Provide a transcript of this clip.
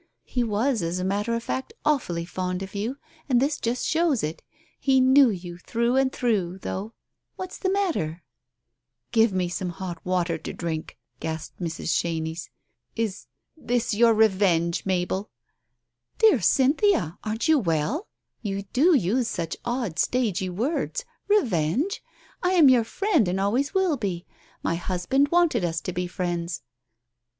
He was, as a matter of fact, awfully fond of you, and this just shows it. He knew you through and through — though. What's the matter ?" Digitized by Google 92 TALES OF THE UNEASY "Give me some hot water to drink," gasped Mrs. Chenies. " Is — this your revenge, Mabel ?" "Dear Cynthia, aren't you well? You do use such odd stagey words. Revenge ! I am your friend and always will be. My husband wanted us to be friends."